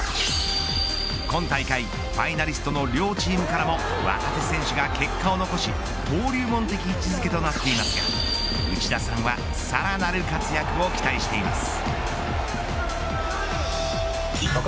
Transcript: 今大会ファイナリストの両チームからも若手選手が結果を残し登竜門的位置づけとなっていますが内田さんはさらなる活躍を期待しています。